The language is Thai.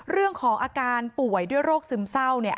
เรื่องของอาการป่วยด้วยโรคซึมเศร้าเนี่ย